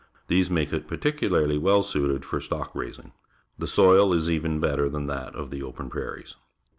These make it particularly well suited for stock raising. The soil is even better than that of the open pi'airies.